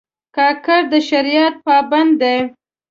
کاکړ د شریعت پابند دي.